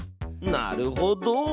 なるほど！